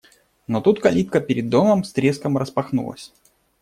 Но тут калитка перед домом с треском распахнулась.